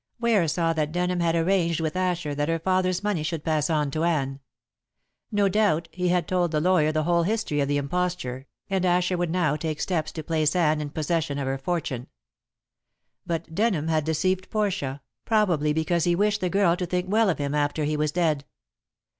Ware saw that Denham had arranged with Asher that her father's money should pass to Anne. No doubt he had told the lawyer the whole history of the imposture, and Asher would now take steps to place Anne in possession of her fortune. But Denham had deceived Portia, probably because he wished the girl to think well of him after he was dead.